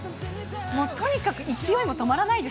もうとにかく勢いも止まらないで